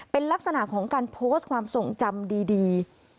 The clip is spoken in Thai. เป็นลักษณะของการโพสต์ความทรงจำดี